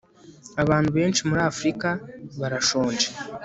abantu benshi muri afrika barashonje